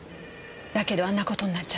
だけどあんな事になっちゃって。